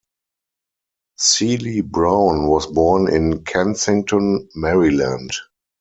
Seely-Brown was born in Kensington, Maryland.